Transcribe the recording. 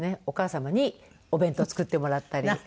お母様にお弁当作ってもらったり。